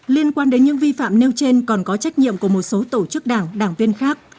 liên quan đến những vi phạm nêu trên còn có trách nhiệm của một số tổ chức đảng đảng viên khác